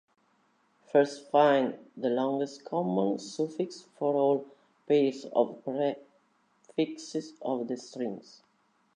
First find the longest common suffix for all pairs of prefixes of the strings.